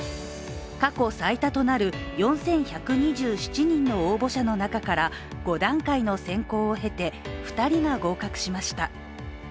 過去最多となる４１２７人の応募者の中から５段階の選考を経て、２人が合格しました。